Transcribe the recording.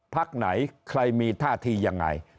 พักไหนใครมีท่าทียังไง